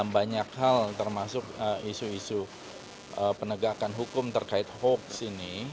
banyak hal termasuk isu isu penegakan hukum terkait hoax ini